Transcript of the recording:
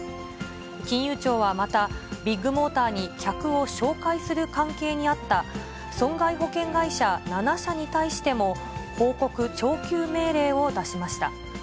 金融庁はまた、ビッグモーターに客を紹介する関係にあった損害保険会社７社に対しても、報告徴求命令を出しました。